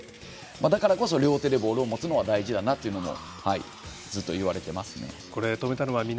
だからこそ両手でボールを持つのは大事だなというのもずっと言われてますね。